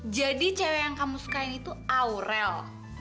jadi cewek yang kamu sukain itu aurel